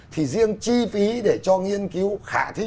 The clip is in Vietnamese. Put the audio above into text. thì riêng chi phí để cho nghiên cứu khả thi